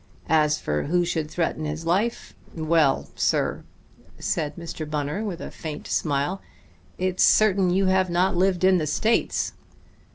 As for who should threaten his life well, sir," said Mr. Bunner with a faint smile, "it's certain you have not lived in the States.